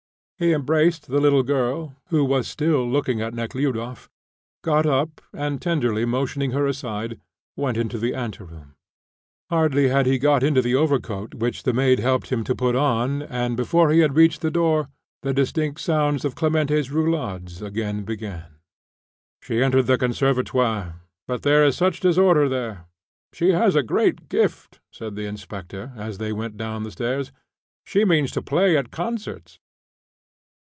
He embraced the little girl, who was still looking at Nekhludoff, got up, and, tenderly motioning her aside, went into the ante room. Hardly had he got into the overcoat which the maid helped him to put on, and before he had reached the door, the distinct sounds of Clementi's roulades again began. "She entered the Conservatoire, but there is such disorder there. She has a great gift," said the inspector, as they went down the stairs. "She means to play at concerts."